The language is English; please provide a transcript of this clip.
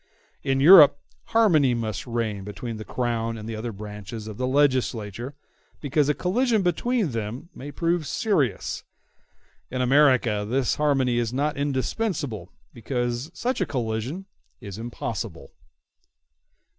In Europe, harmony must reign between the Crown and the other branches of the legislature, because a collision between them may prove serious; in America, this harmony is not indispensable, because such a collision is impossible.